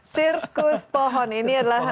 sirkus pohon ini adalah